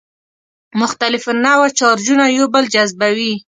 مختلف النوع چارجونه یو بل جذبوي.